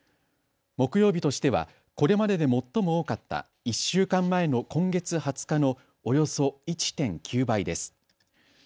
木曜日としてはこれまでで最も多かった１週間前の今月２０日のおよそ１．９倍です。